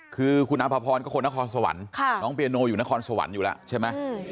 คือคุณอภพรก็คนนครสวรรค์น้องเปียโนอยู่นครสวรรค์อยู่แล้วใช่ไหม